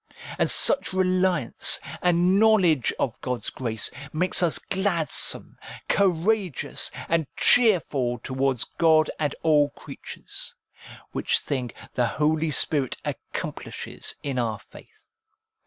And such reliance, and knowledge of God's grace, makes us glad some, courageous, and cheerful towards God and all creatures ; which thing the Holy Spirit accomplishes in our faith.